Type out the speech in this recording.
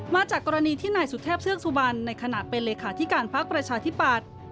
มาจากกรณีที่นายสุเทพเชือกสุบันในขณะเป็นเลขาธิการพักประชาธิปัตย์